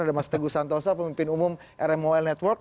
ada mas teguh santosa pemimpin umum rmol network